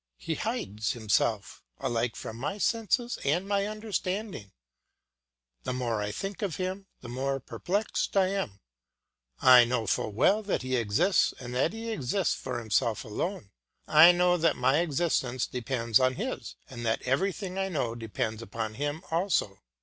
He hides himself alike from my senses and my understanding; the more I think of him, the more perplexed I am; I know full well that he exists, and that he exists of himself alone; I know that my existence depends on his, and that everything I know depends upon him also.